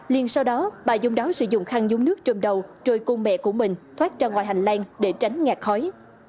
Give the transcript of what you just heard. liên sau đó bà dung đáo sử dụng khăn dung nước trong đầu rồi cô mẹ của mình thoát ra ngoài hành lang để tránh ngạt khói